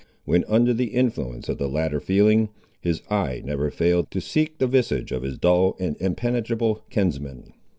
When under the influence of the latter feeling, his eye never failed to seek the visage of his dull and impenetrable kinsman.